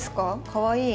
かわいい。